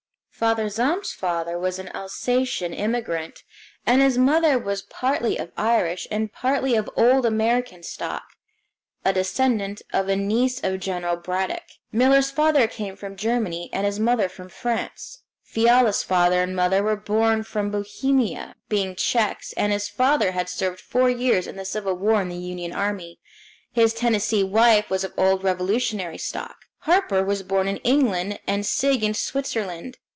Father Zahm's father was an Alsacian immigrant, and his mother was partly of Irish and partly of old American stock, a descendant of a niece of General Braddock. Miller's father came from Germany, and his mother from France. Fiala's father and mother were both from Bohemia, being Czechs, and his father had served four years in the Civil War in the Union Army his Tennessee wife was of old Revolutionary stock. Harper was born in England, and Sigg in Switzerland.